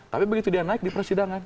tapi begitu dia naik di persidangan